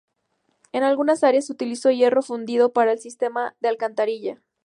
En algunas áreas se utilizó hierro fundido para el sistema de alcantarilla.